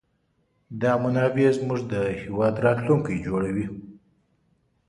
دا منابع زموږ د هېواد راتلونکی جوړوي.